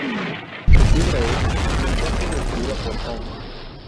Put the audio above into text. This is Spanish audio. Su piedra es, entonces destruida por Kong.